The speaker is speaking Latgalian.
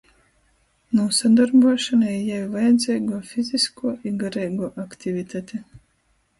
Nūsadorbuošona i jai vajadzeiguo fiziskuo i gareiguo aktivitate.